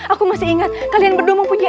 aku masih ingat kalian berdua mempunyai